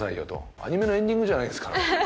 アニメのエンディングじゃないんですから。